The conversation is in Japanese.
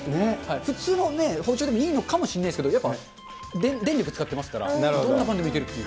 普通の包丁でもいいのかもしれないですけど、やっぱ電力使ってますから、どんなパンでもいけるっていう。